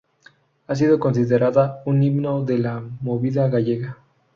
Ha sido considerada un himno de la Movida gallega.